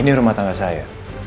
ini rumah tangga saya